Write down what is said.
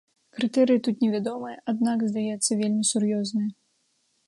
Крытэрыі тут не вядомыя, аднак, здаецца, вельмі сур'ёзныя.